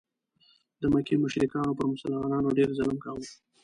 د مکې مشرکانو پر مسلمانانو ډېر ظلم کاوه.